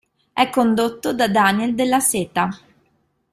È condotto da Daniel Della Seta.